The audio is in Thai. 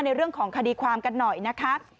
ในเรื่องของคดีความกันหน่อยนะคะ